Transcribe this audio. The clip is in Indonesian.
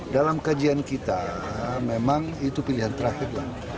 dalam kajian kita memang itu pilihan terakhir